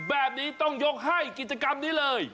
แบบนี้ต้องยกให้กิจกรรมนี้เลย